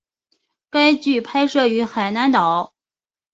该剧拍摄于海南岛。